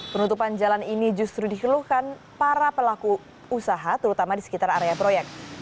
penutupan jalan ini justru dikeluhkan para pelaku usaha terutama di sekitar area proyek